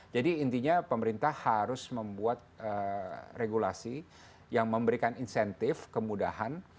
jadi intinya pemerintah harus membuat regulasi yang memberikan insentif kemudahan